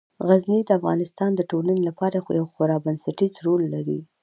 غزني د افغانستان د ټولنې لپاره یو خورا بنسټيز رول لري.